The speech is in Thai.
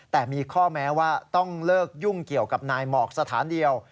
แต่มีข้อแม้ว่าต้องเลิกยุ่งเกี่ยวกับนายหมอกสถานเดียว